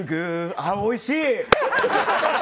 あ、おいしい。